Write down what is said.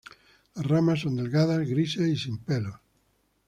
Las ramas son delgadas, grises y sin pelos.